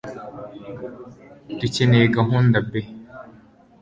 dukeneye gahunda b